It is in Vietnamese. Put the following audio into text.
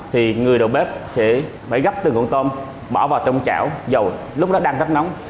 thì người đầu bếp sẽ phải gắp từng cuốn tôm bỏ vào trong chảo dầu lúc đó đang đắp nóng